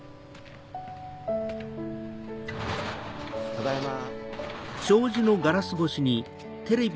ただいま。